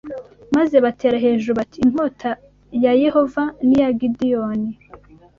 maze batera hejuru bati inkota ya Yehova n’iya Gideyoni